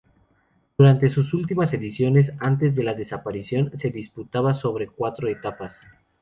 Durante sus últimas ediciones, antes de la desaparición, se disputaba sobre cuatro etapas.